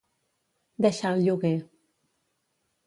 Deixar el lloguer.